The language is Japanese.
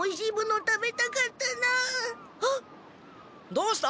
どうした？